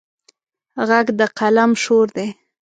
غږ د قلم شور دی